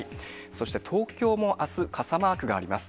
そして東京もあす、傘マークがあります。